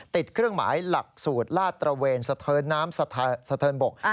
เครื่องหมายหลักสูตรลาดตระเวนสะเทินน้ำสะเทินบก